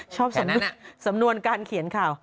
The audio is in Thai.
ชอบสำนวนการเขียนข่าว